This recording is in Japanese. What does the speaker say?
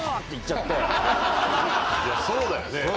そうだよね。